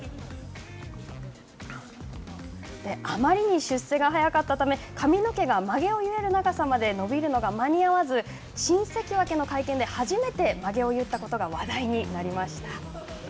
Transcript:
あまりに出世が早かったため髪の毛がまげを結える長さまで伸びるのが間に合わず新関脇の会見で初めてまげを結ったことが話題になりました。